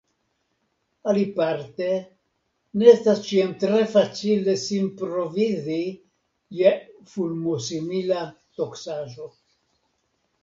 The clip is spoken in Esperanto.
Aliparte ne estas ĉiam tre facile sin provizi je fulmosimila toksaĵo.